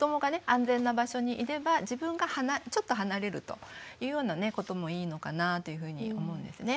安全な場所にいれば自分がちょっと離れるというようなこともいいのかなというふうに思うんですね。